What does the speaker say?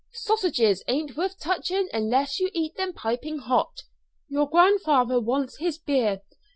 Sausages ain't worth touching unless you eat them piping hot. Your grandfather wants his beer.